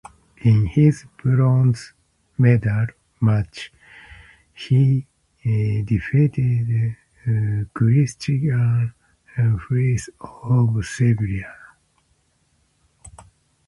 In his bronze medal match he defeated Kristijan Fris of Serbia.